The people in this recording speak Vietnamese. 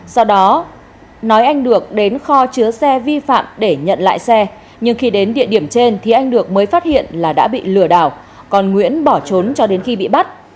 sau đó nói anh được đến kho chứa xe vi phạm để nhận lại xe nhưng khi đến địa điểm trên thì anh được mới phát hiện là đã bị lừa đảo còn nguyễn bỏ trốn cho đến khi bị bắt